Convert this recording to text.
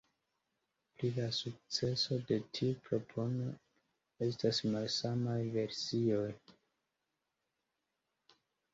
Pri la sukceso de tiu propono estas malsamaj versioj.